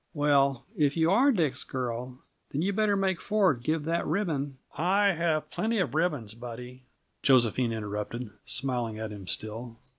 "Well, if you are Dick's girl, then you better make Ford give that ribbon " "I have plenty of ribbons, Buddy," Josephine interrupted, smiling at him still.